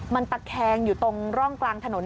มันตะแคงอยู่ตรงร่องกลางถนน